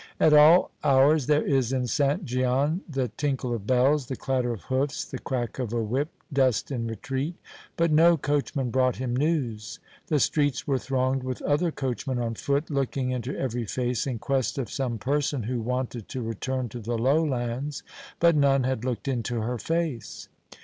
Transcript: At all hours there is in St. Gian the tinkle of bells, the clatter of hoofs, the crack of a whip, dust in retreat; but no coachman brought him news. The streets were thronged with other coachmen on foot looking into every face in quest of some person who wanted to return to the lowlands, but none had looked into her face.